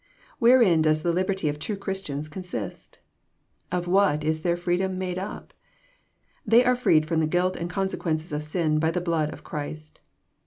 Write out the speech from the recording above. Wherein does the liberty of true Christians consist? Of what is their freedom made up ?— ^They are freed from the guilt and consequences of sin by the blood of Christ.